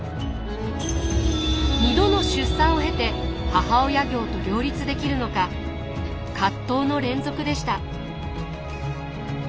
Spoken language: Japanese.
２度の出産を経て母親業と両立できるのか葛藤の連続でした。